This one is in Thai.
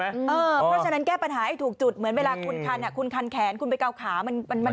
เออเพราะฉะนั้นแก้ปัญหาให้ถูกจุดเหมือนเวลาคุณคันแขนคุณไปเก่าขามันหายนะ